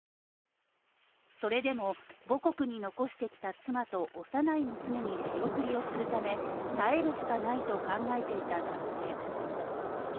それでも、母国に残してきた妻と幼い娘に仕送りをするため、耐えるしかないと考えていた男性。